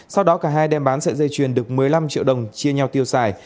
sau đó cả hai đem bán sợi dây chuyền được một mươi năm triệu đồng chia nhau tiêu xài